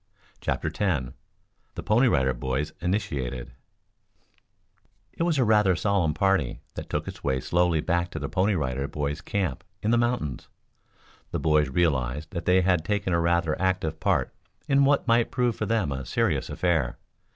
CHAPTER X THE PONY RIDER BOYS INITIATED It was rather a solemn party that took its way slowly back to the Pony Rider Boys' Camp in the mountains. The boys realized that they had taken a rather active part in what might prove for them a serious affair.